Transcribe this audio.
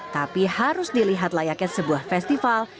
tapi harus dilihat layaknya sebuah festival